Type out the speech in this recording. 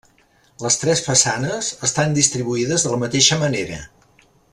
Les tres façanes estan distribuïdes de la mateixa manera.